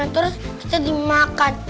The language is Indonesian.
terus kita dimakan